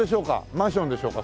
マンションでしょうか？